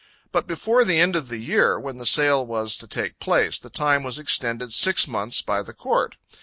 But before the end of the year, when the sale was to take place, the time was extended six months by the Court.